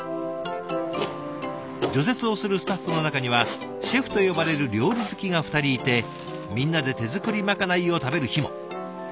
除雪をするスタッフの中にはシェフと呼ばれる料理好きが２人いてみんなで手作りまかないを食べる日も。